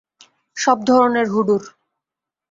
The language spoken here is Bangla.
সব ধরনের হুডুর।